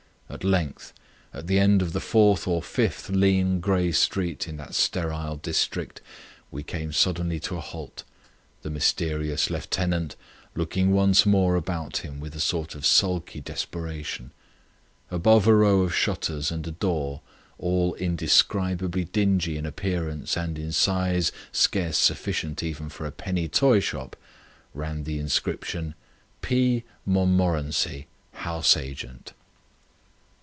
At length, at the end of the fourth or fifth lean grey street in that sterile district, we came suddenly to a halt, the mysterious lieutenant looking once more about him with a sort of sulky desperation. Above a row of shutters and a door, all indescribably dingy in appearance and in size scarce sufficient even for a penny toyshop, ran the inscription: "P. Montmorency, House Agent."